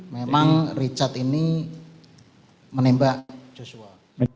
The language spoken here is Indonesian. memang richard ini menembak joshua